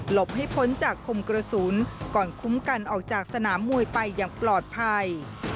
บให้พ้นจากคมกระสุนก่อนคุ้มกันออกจากสนามมวยไปอย่างปลอดภัย